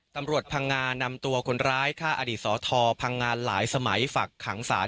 ตำรวจพังงานำตัวคนร้ายฆ่าอดีตสทพังงานหลายสมัยฝักขังศาล